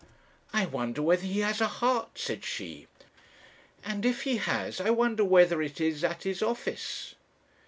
"'I wonder whether he has a heart, said she; 'and if he has, I wonder whether it is at his office.'